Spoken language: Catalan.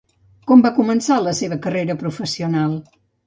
Com va començar la seva carrera professional?